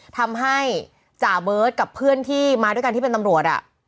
ทำให้จ่าเบิร์ตกับเพื่อนที่มาด้วยกันที่เป็นตำรวจ